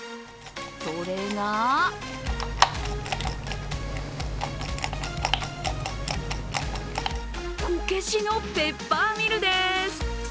それがこけしのペッパーミルでーす！